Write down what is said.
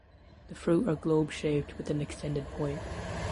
The fruit are globe shaped with an extended point.